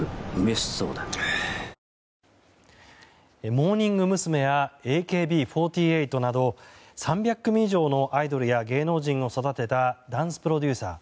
モーニング娘。やＡＫＢ４８など３００組以上のアイドルや芸能人を育てたダンスプロデューサー